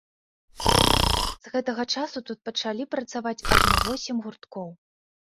З гэтага часу тут пачалі працаваць ажно восем гурткоў.